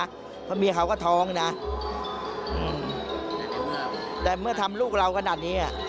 เพราะเมียเขาก็ท้องนะแต่เมื่อทำลูกเราขนาดนี้อ่ะ